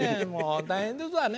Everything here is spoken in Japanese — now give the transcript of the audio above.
大変ですわね